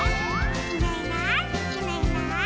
「いないいないいないいない」